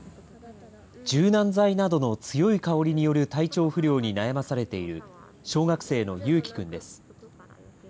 柔軟剤などの強い香りによる体調不良に悩まされている小学生のゆうきくんです。